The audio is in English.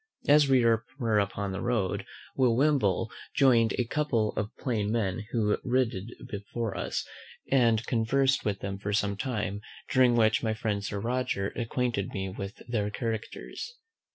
As we were upon the road, Will Wimble join'd a couple of plain men who rid before us, and conversed with them for some time; during which my friend Sir Roger acquainted me with their characters.